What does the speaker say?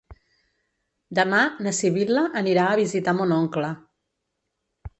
Demà na Sibil·la anirà a visitar mon oncle.